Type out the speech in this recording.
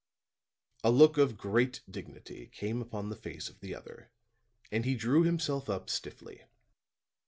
A look of great dignity came upon the face of the other; and he drew himself up stiffly.